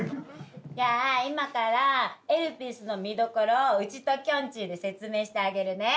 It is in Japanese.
じゃあ今から『エルピス』の見どころうちときょんちぃで説明してあげるね。